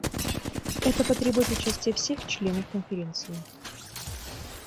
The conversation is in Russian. Это потребует участия всех членов Конференции.